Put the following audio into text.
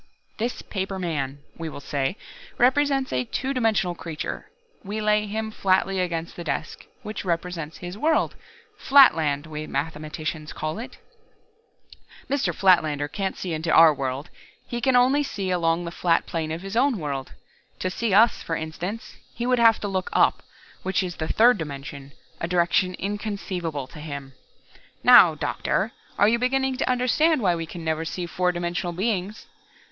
"This paper man, we will say, represents a two dimensional creature. We lay him flatly against the desk, which represents his world Flatland, we mathematicians call it. Mr. Flatlander can't see into our world. He can see only along the flat plane of his own world. To see us, for instance, he would have to look up, which is the third dimension, a direction inconceivable to him. Now, Doctor, are you beginning to understand why we can never see four dimensional beings?"